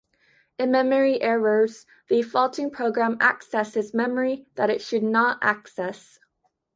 In memory errors, the faulting program accesses memory that it should not access.